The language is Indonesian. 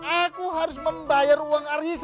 aku harus membayar uang aris